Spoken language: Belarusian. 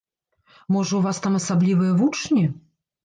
Можа, у вас там асаблівыя вучні?